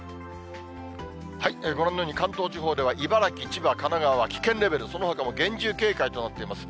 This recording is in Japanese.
ご覧のように、関東地方では茨城、千葉、神奈川は危険レベル、そのほかも厳重警戒となっています。